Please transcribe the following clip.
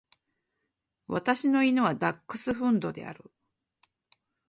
私の犬はダックスフンドである。